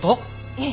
ええ。